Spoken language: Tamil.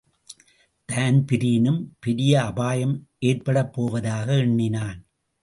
தான்பிரீனும் பெரிய அபாயம் ஏற்படப்போவதாக எண்ணினான்.